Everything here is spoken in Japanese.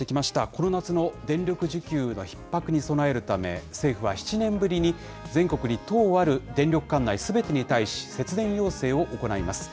この夏の電力需給のひっ迫に備えるため、政府は７年ぶりに全国に１０ある電力管内すべてに対し、節電要請を行います。